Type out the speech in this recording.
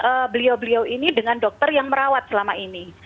maka kita hubungkan beliau beliau ini dengan dokter yang merawat selama ini